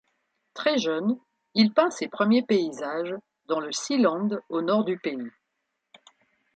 Très jeune, il peint ses premiers paysages dans le Sealand au nord du pays.